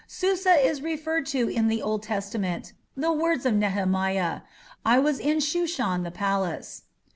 Susa is referred to in the Old Testament "The words of Nehemiah.... I was in Shushan the palace".